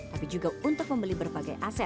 tapi juga untuk membeli berbagai aset